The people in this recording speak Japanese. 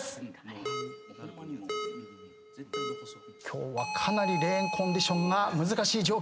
今日はかなりレーンコンディションが難しい状況。